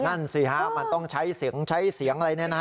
นั่นสิฮะมันต้องใช้เสียงใช้เสียงอะไร